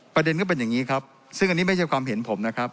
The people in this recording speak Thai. ประเด็นก็เป็นอย่างนี้ครับซึ่งอันนี้ไม่ใช่ความเห็นผมนะครับ